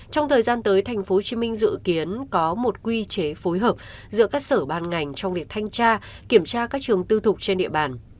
trong thời gian tới tp hcm dự kiến có một quy chế phối hợp giữa các sở ban ngành trong việc thanh tra kiểm tra các trường tư thục trên địa bàn